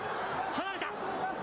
離れた。